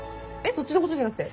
そっちのことじゃなくて？